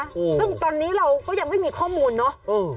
ซึ่งตอนนี้เราก็ยังไม่มีข้อมูลเนอะเออ